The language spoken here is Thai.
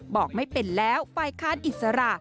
บอกไม่เป็นแล้วฝ่ายค้านอิสระ